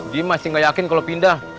dia masih gak yakin kalau pindah